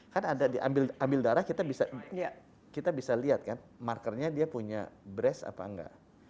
kan ada diambil darah kita bisa lihat kan markernya dia punya bresh apa enggak